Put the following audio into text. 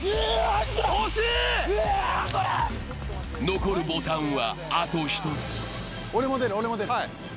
残るボタンは、あと１つ。